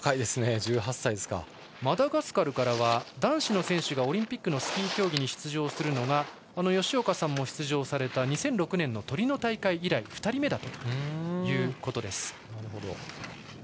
マダガスカルからは男子がオリンピックのスキー競技に出場するのが吉岡さんも出場された２００６年のトリノ大会以来２人目だということです。